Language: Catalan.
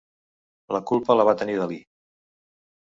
La culpa la va tenir Dalí.